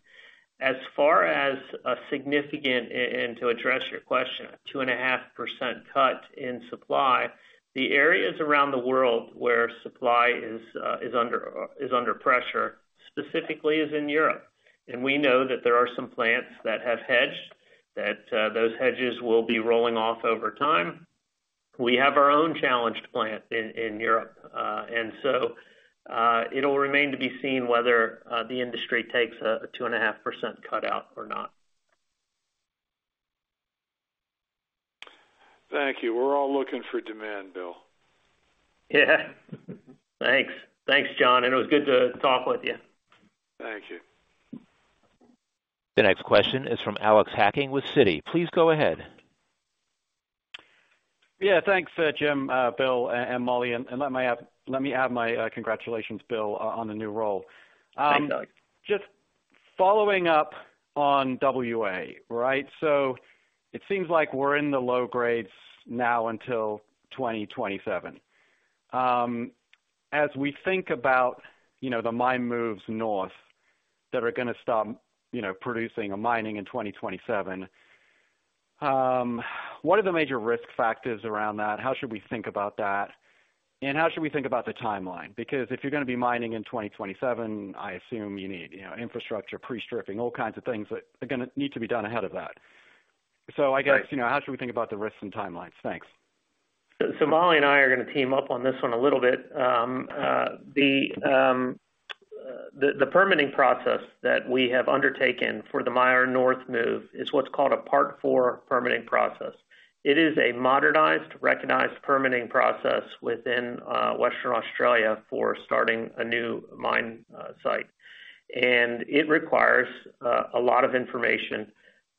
As far as a significant and to address your question, 2.5% cut in supply, the areas around the world where supply is under pressure, specifically is in Europe. And we know that there are some plants that have hedged, those hedges will be rolling off over time. We have our own challenged plant in Europe, and so, it'll remain to be seen whether the industry takes a 2.5% cutout or not. Thank you. We're all looking for demand, Bill. Yeah. Thanks. Thanks, John, and it was good to talk with you. Thank you. The next question is from Alex Hacking with Citi. Please go ahead. Yeah, thanks, Jim, Bill, and Molly, and let me add my congratulations, Bill, on the new role. Thanks, Alex. Just following up on WA, right? So it seems like we're in the low grades now until 2027. As we think about, you know, the mine moves north that are gonna start, you know, producing or mining in 2027, what are the major risk factors around that? How should we think about that? And how should we think about the timeline? Because if you're gonna be mining in 2027, I assume you need, you know, infrastructure, pre-stripping, all kinds of things that are gonna need to be done ahead of that. Right. I guess, you know, how should we think about the risks and timelines? Thanks. So, Molly and I are gonna team up on this one a little bit. The permitting process that we have undertaken for the Myara North move is what's called a Part IV permitting process. It is a modernized, recognized permitting process within Western Australia for starting a new mine site. And it requires a lot of information.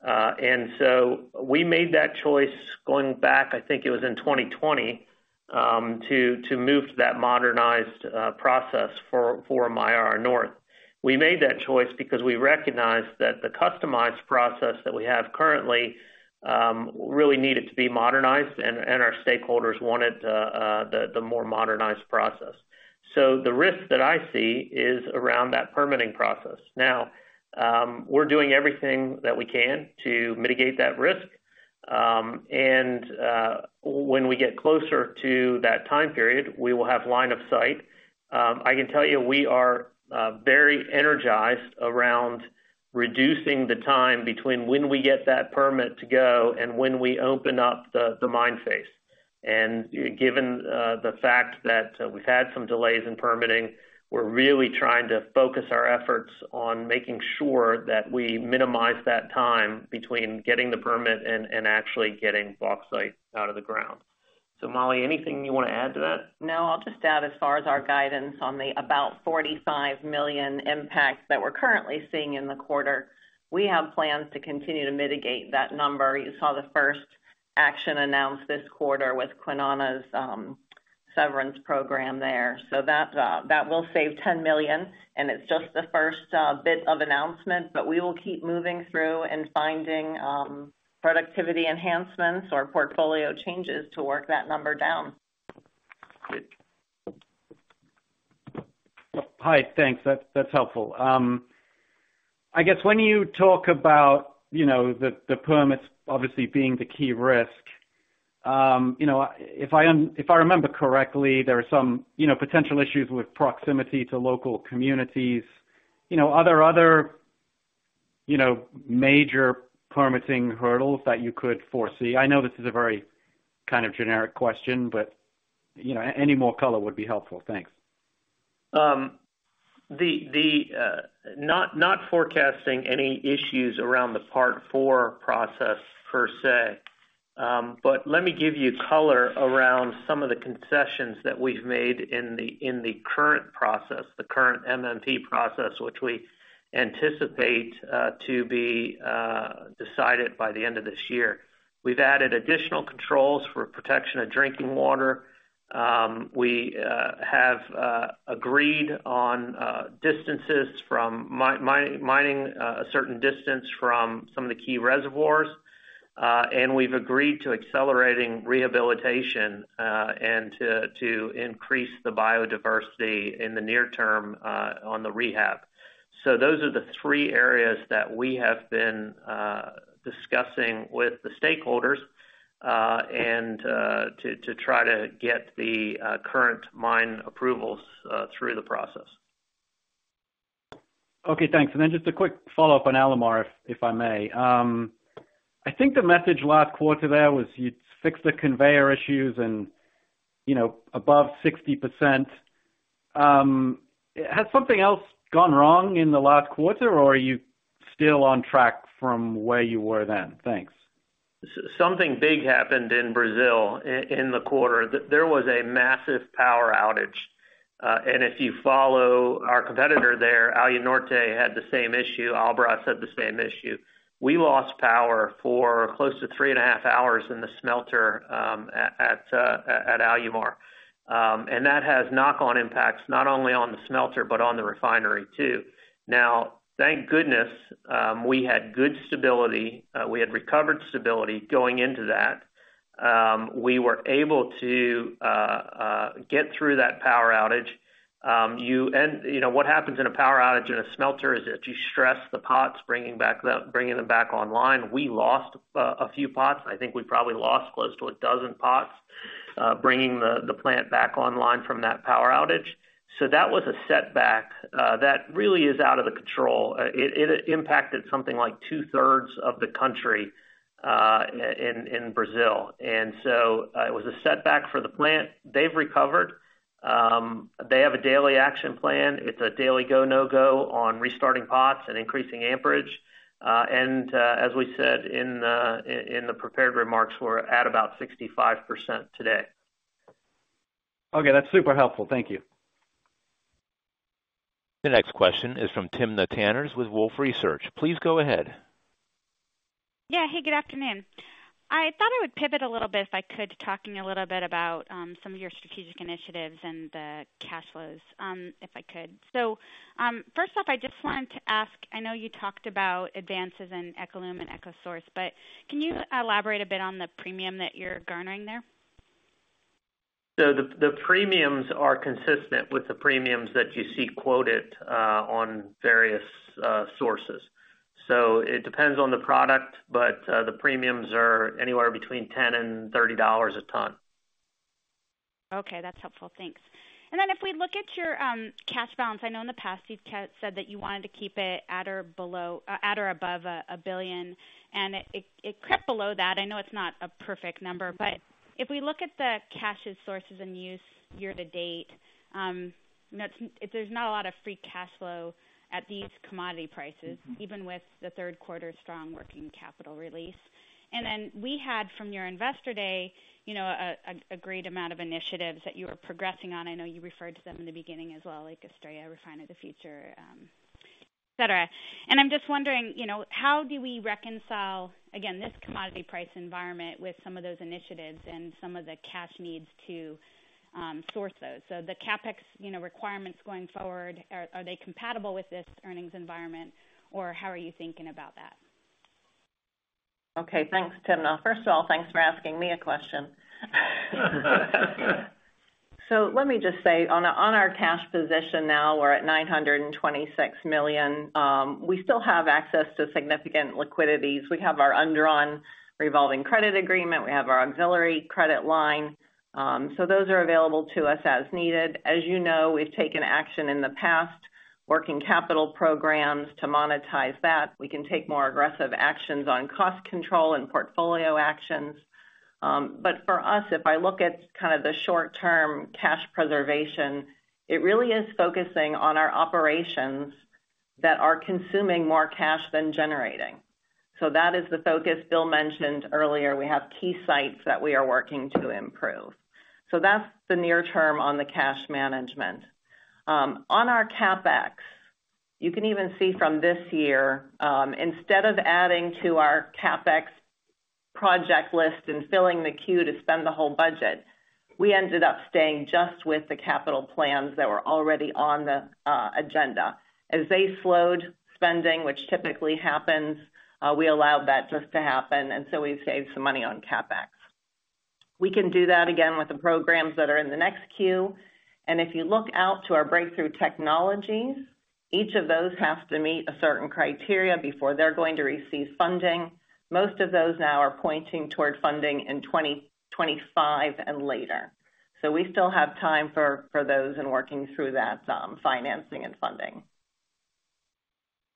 And so we made that choice going back, I think it was in 2020, to move to that modernized process for Myara North. We made that choice because we recognized that the customized process that we have currently really needed to be modernized, and our stakeholders wanted the more modernized process. So the risk that I see is around that permitting process. Now, we're doing everything that we can to mitigate that risk, and when we get closer to that time period, we will have line of sight. I can tell you, we are very energized around reducing the time between when we get that permit to go and when we open up the mine face. Given the fact that we've had some delays in permitting, we're really trying to focus our efforts on making sure that we minimize that time between getting the permit and actually getting bauxite out of the ground. So, Molly, anything you want to add to that? No, I'll just add, as far as our guidance on the about $45 million impacts that we're currently seeing in the quarter, we have plans to continue to mitigate that number. You saw the first action announced this quarter with Kwinana's severance program there. So that will save $10 million, and it's just the first bit of announcement, but we will keep moving through and finding productivity enhancements or portfolio changes to work that number down. Great. Hi, thanks. That's, that's helpful. I guess when you talk about, you know, the, the permits obviously being the key risk. You know, if I am, if I remember correctly, there are some, you know, potential issues with proximity to local communities. You know, are there other, you know, major permitting hurdles that you could foresee? I know this is a very kind of generic question, but, you know, any more color would be helpful. Thanks. Not forecasting any issues around the Part IV process per se. But let me give you color around some of the concessions that we've made in the current process, the current MMP process, which we anticipate to be decided by the end of this year. We've added additional controls for protection of drinking water. We have agreed on distances from mining, a certain distance from some of the key reservoirs, and we've agreed to accelerating rehabilitation and to increase the biodiversity in the near term on the rehab. So those are the three areas that we have been discussing with the stakeholders and to try to get the current mine approvals through the process. Okay, thanks. And then just a quick follow-up on Alumar, if I may. I think the message last quarter there was you'd fixed the conveyor issues and, you know, above 60%. Has something else gone wrong in the last quarter, or are you still on track from where you were then? Thanks. Something big happened in Brazil in the quarter. There was a massive power outage, and if you follow our competitor there, Alunorte had the same issue. Albras had the same issue. We lost power for close to 3.5 hours in the smelter at Alumar. And that has knock-on impacts, not only on the smelter, but on the refinery, too. Now, thank goodness, we had good stability. We had recovered stability going into that. We were able to get through that power outage. You know, what happens in a power outage in a smelter is that you stress the pots, bringing them back online. We lost a few pots. I think we probably lost close to a dozen pots, bringing the plant back online from that power outage. So that was a setback that really is out of the control. It impacted something like two-thirds of the country, in Brazil, and so, it was a setback for the plant. They've recovered. They have a daily action plan. It's a daily go, no-go on restarting pots and increasing amperage. And, as we said in the, in the prepared remarks, we're at about 65% today. Okay, that's super helpful. Thank you. The next question is from Timna Tanners with Wolfe Research. Please go ahead. Yeah. Hey, good afternoon. I thought I would pivot a little bit, if I could, to talking a little bit about some of your strategic initiatives and the cash flows, if I could. So, first off, I just wanted to ask, I know you talked about advances in EcoLum and EcoSource, but can you elaborate a bit on the premium that you're garnering there? The premiums are consistent with the premiums that you see quoted on various sources. It depends on the product, but the premiums are anywhere between $10-$30 a ton. Okay, that's helpful. Thanks. And then if we look at your cash balance, I know in the past you've said that you wanted to keep it at or above $1 billion, and it crept below that. I know it's not a perfect number, but if we look at the cash sources and uses year-to-date, there's not a lot of free cash flow at these commodity prices even with the third quarter strong working capital release. Yeah. And then we had, from your Investor Day, you know, a great amount of initiatives that you were progressing on. I know you referred to them in the beginning as well, like Australia Refinery of the Future, et cetera. And I'm just wondering, you know, how do we reconcile, again, this commodity price environment with some of those initiatives and some of the cash needs to source those? So the CapEx, you know, requirements going forward, are they compatible with this earnings environment, or how are you thinking about that? Okay, thanks, Timna. First of all, thanks for asking me a question. So let me just say, on our cash position now, we're at $926 million. We still have access to significant liquidities. We have our undrawn revolving credit agreement. We have our auxiliary credit line. So those are available to us as needed. As you know, we've taken action in the past, working capital programs to monetize that. We can take more aggressive actions on cost control and portfolio actions. But for us, if I look at kind of the short term cash preservation, it really is focusing on our operations that are consuming more cash than generating. So that is the focus Bill mentioned earlier. We have key sites that we are working to improve. So that's the near term on the cash management. On our CapEx, you can even see from this year, instead of adding to our CapEx project list and filling the queue to spend the whole budget, we ended up staying just with the capital plans that were already on the agenda. As they slowed spending, which typically happens, we allowed that just to happen, and so we've saved some money on CapEx. We can do that again with the programs that are in the next queue, and if you look out to our breakthrough technologies. Each of those has to meet a certain criteria before they're going to receive funding. Most of those now are pointing toward funding in 2025 and later. So we still have time for those in working through that, financing and funding.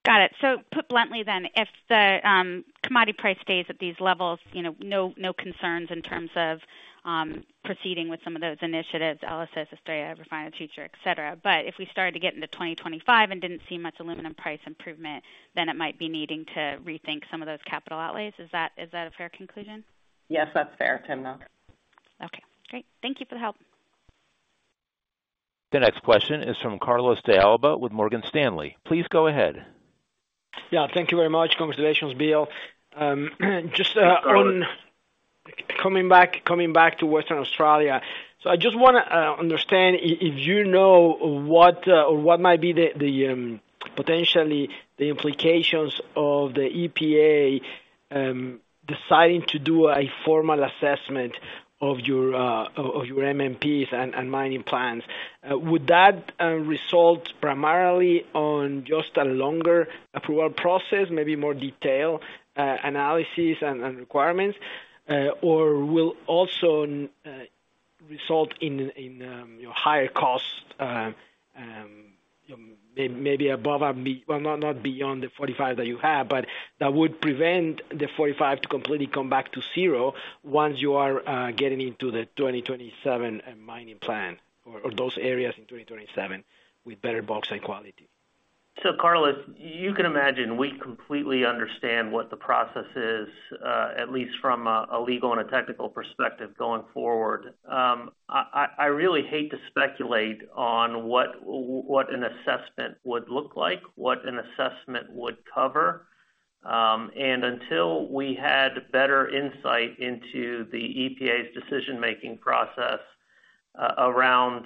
Got it. So put bluntly then, if the commodity price stays at these levels, you know, no, no concerns in terms of proceeding with some of those initiatives, ELYSIS, Australia, Refinery of the Future, et cetera. But if we started to get into 2025 and didn't see much aluminum price improvement, then it might be needing to rethink some of those capital outlays. Is that, is that a fair conclusion? Yes, that's fair, Timna. Okay, great. Thank you for the help. The next question is from Carlos de Alba with Morgan Stanley. Please go ahead. Yeah, thank you very much. Congratulations, Bill. Just, on- Thanks, Carlos. Coming back to Western Australia. So I just wanna understand if you know what or what might be potentially the implications of the EPA deciding to do a formal assessment of your MMPs and mining plans. Would that result primarily on just a longer approval process, maybe more detail analysis and requirements? Or will also result in you know higher costs maybe above and, well, not beyond the 45 that you have, but that would prevent the 45 to completely come back to zero once you are getting into the 2027 mining plan or those areas in 2027 with better bauxite quality. So Carlos, you can imagine we completely understand what the process is, at least from a legal and a technical perspective going forward. I really hate to speculate on what an assessment would look like, what an assessment would cover. And until we had better insight into the EPA's decision-making process, around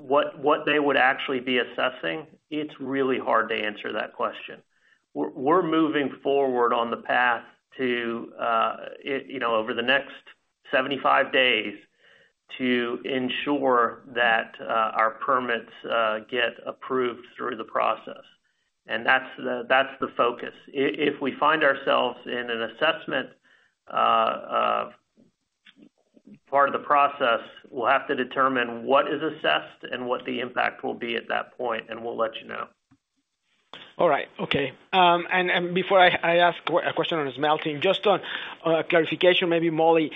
what they would actually be assessing, it's really hard to answer that question. We're moving forward on the path to you know, over the next 75 days to ensure that our permits get approved through the process. And that's the focus. If we find ourselves in an assessment, part of the process, we'll have to determine what is assessed and what the impact will be at that point, and we'll let you know. All right. Okay. And before I ask a question on the smelting, just on clarification, maybe Molly,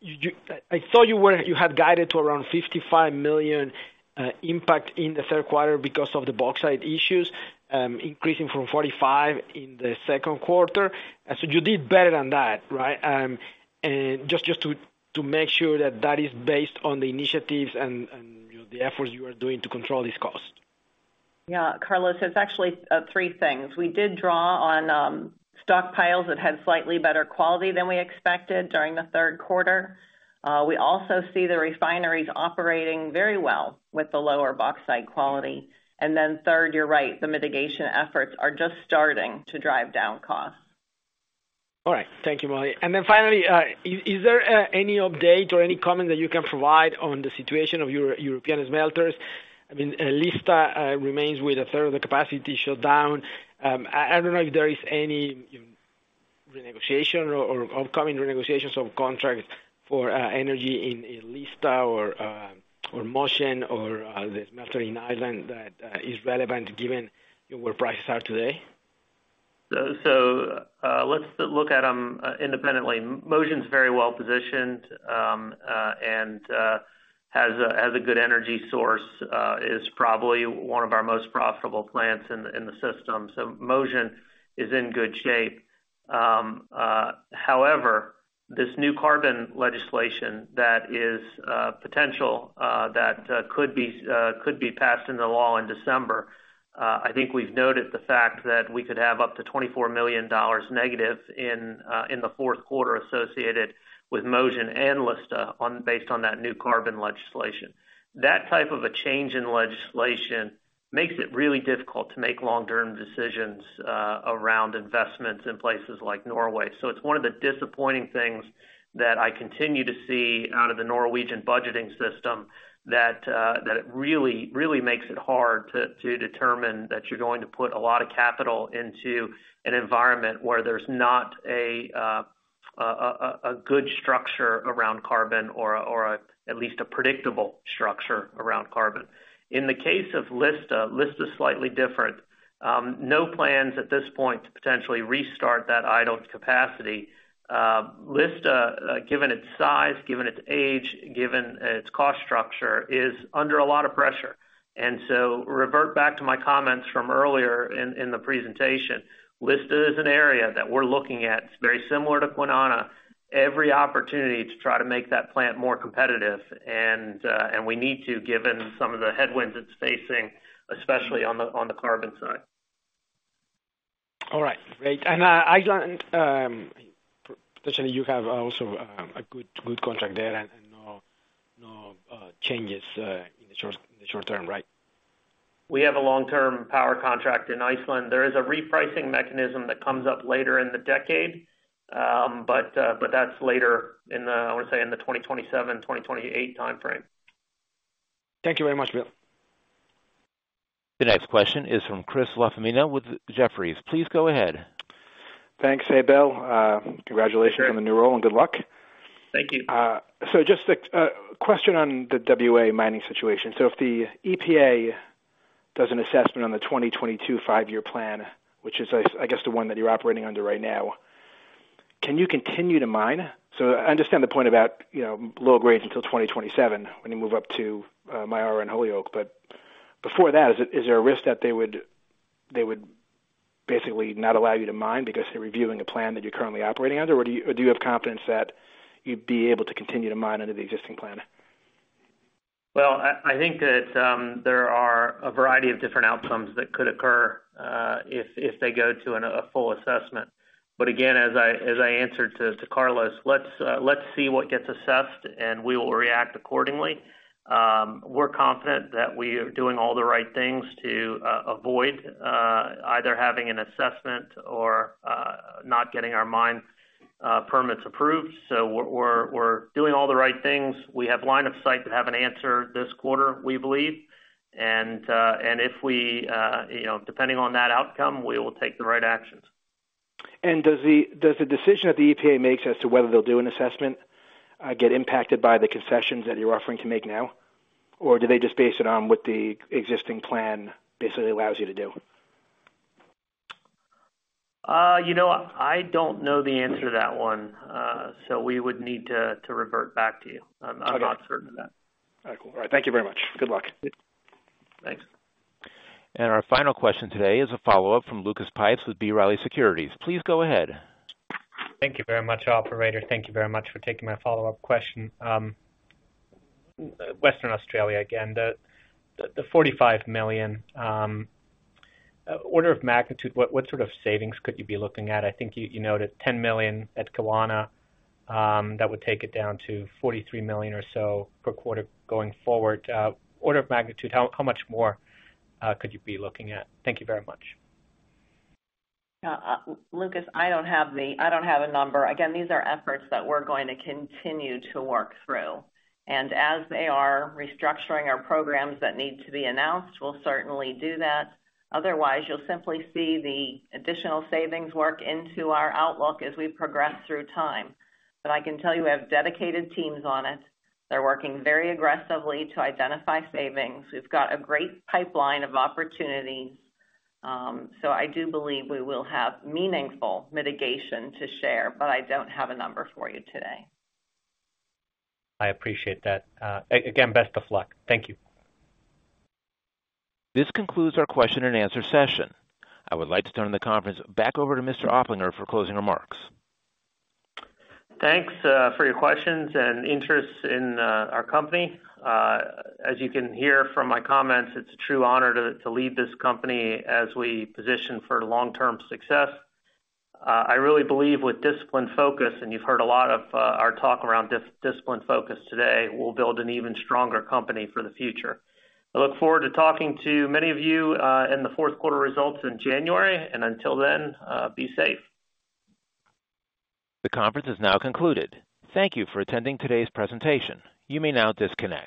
you—I thought you were, you had guided to around $55 million impact in the third quarter because of the bauxite issues, increasing from $45 million in the second quarter. So you did better than that, right? And just to make sure that that is based on the initiatives and, you know, the efforts you are doing to control these costs. Yeah, Carlos, it's actually three things. We did draw on stockpiles that had slightly better quality than we expected during the third quarter. We also see the refineries operating very well with the lower bauxite quality. And then third, you're right, the mitigation efforts are just starting to drive down costs. All right. Thank you, Molly. And then finally, is there any update or any comment that you can provide on the situation of your European smelters? I mean, Lista remains with a third of the capacity shut down. I don't know if there is any, you know, renegotiation or upcoming renegotiations of contracts for energy in Lista or Mosjøen or the smelter in Iceland that is relevant given, you know, where prices are today. Let's look at them independently. Mosjøen's very well positioned and has a good energy source, is probably one of our most profitable plants in the system. So Mosjøen is in good shape. However, this new carbon legislation that is potential that could be passed into law in December, I think we've noted the fact that we could have up to $24 million negative in the fourth quarter associated with Mosjøen and Lista based on that new carbon legislation. That type of a change in legislation makes it really difficult to make long-term decisions around investments in places like Norway. So it's one of the disappointing things that I continue to see out of the Norwegian budgeting system that it really, really makes it hard to determine that you're going to put a lot of capital into an environment where there's not a good structure around carbon or at least a predictable structure around carbon. In the case of Lista, Lista is slightly different. No plans at this point to potentially restart that idled capacity. Lista, given its size, given its age, given its cost structure, is under a lot of pressure. And so revert back to my comments from earlier in the presentation, Lista is an area that we're looking at. It's very similar to Kwinana. Every opportunity to try to make that plant more competitive, and we need to, given some of the headwinds it's facing, especially on the carbon side. All right. Great. And, Iceland, especially, you have also a good, good contract there and, and no, no changes in the short, in the short term, right? We have a long-term power contract in Iceland. There is a repricing mechanism that comes up later in the decade. But that's later in the, I wanna say, in the 2027, 2028 timeframe. Thank you very much, Bill. The next question is from Chris LaFemina with Jefferies. Please go ahead. Thanks, Abel. Congratulations on the new role, and good luck. Thank you. So just a question on the WA mining situation. So if the EPA does an assessment on the 2022 five-year plan, which is, I guess, the one that you're operating under right now, can you continue to mine? So I understand the point about, you know, low grade until 2027 when you move up to Myara and Holyoake. But before that, is there a risk that they would basically not allow you to mine because they're reviewing a plan that you're currently operating under? Or do you have confidence that you'd be able to continue to mine under the existing plan? Well, I think that there are a variety of different outcomes that could occur, if they go to a full assessment. But again, as I answered to Carlos, let's see what gets assessed, and we will react accordingly. We're confident that we are doing all the right things to avoid either having an assessment or not getting our mine permits approved. So we're doing all the right things. We have line of sight to have an answer this quarter, we believe. And if we, you know, depending on that outcome, we will take the right actions. Does the decision that the EPA makes as to whether they'll do an assessment get impacted by the concessions that you're offering to make now? Or do they just base it on what the existing plan basically allows you to do? You know, I don't know the answer to that one. So we would need to revert back to you. Okay. I'm not certain of that. All right, cool. All right, thank you very much. Good luck. Thanks. Our final question today is a follow-up from Lucas Pipes with B. Riley Securities. Please go ahead. Thank you very much, operator. Thank you very much for taking my follow-up question. Western Australia, again, the $45 million, order of magnitude, what sort of savings could you be looking at? I think you noted $10 million at Kwinana, that would take it down to $43 million or so per quarter going forward. Order of magnitude, how much more could you be looking at? Thank you very much. Lucas, I don't have a number. Again, these are efforts that we're going to continue to work through, and as they are restructuring our programs that need to be announced, we'll certainly do that. Otherwise, you'll simply see the additional savings work into our outlook as we progress through time. But I can tell you we have dedicated teams on it. They're working very aggressively to identify savings. We've got a great pipeline of opportunities, so I do believe we will have meaningful mitigation to share, but I don't have a number for you today. I appreciate that. Again, best of luck. Thank you. This concludes our question and answer session. I would like to turn the conference back over to Mr. Oplinger for closing remarks. Thanks for your questions and interest in our company. As you can hear from my comments, it's a true honor to lead this company as we position for long-term success. I really believe with disciplined focus, and you've heard a lot of our talk around disciplined focus today, we'll build an even stronger company for the future. I look forward to talking to many of you in the fourth quarter results in January, and until then, be safe. The conference is now concluded. Thank you for attending today's presentation. You may now disconnect.